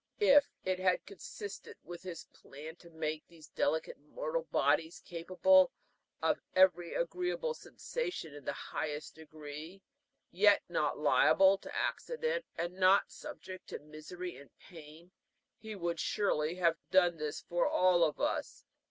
If it had consisted with his plan to make these delicate mortal bodies capable of every agreeable sensation in the highest degree, yet not liable to accident, and not subject to misery and pain, he would surely have done this for all of us.